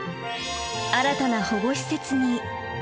新たな保護施設に。